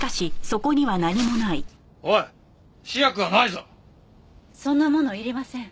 そんなものいりません。